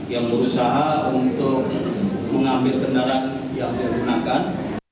yang berusaha untuk mengambil kendaraan yang digunakan